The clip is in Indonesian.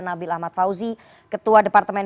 nabil ahmad fauzi ketua departemen